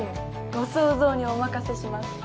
ご想像にお任せします。